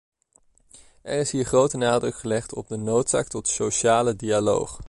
Er is hier grote nadruk gelegd op de noodzaak tot sociale dialoog.